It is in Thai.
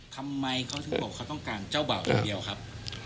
ทำไมเขาถึงบอกเขาต้องการเจ้าบ่าวอย่างเดียวครับ